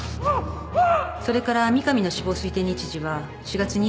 それから三上の死亡推定日時は４月２５日から２６日。